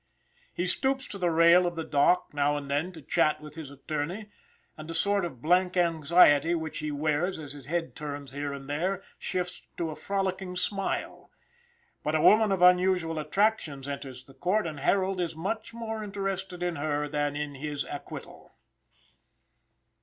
He stoops to the rail of the dock, now and then, to chat with his attorney, and a sort of blank anxiety which he wears, as his head turns here and there, shifts to a frolicking smile. But a woman of unusual attractions enters the court, and Harold is much more interested in her than in his acquittal.